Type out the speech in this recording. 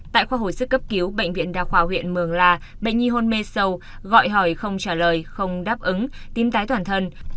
tại khoa hồi sức cấp cứu bệnh viện đa khoa huyện mường la bệnh nhi hôn mê sâu gọi hỏi không trả lời không đáp ứng tím tái toàn thân